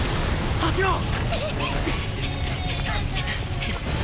走ろう！